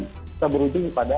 kita berhubung pada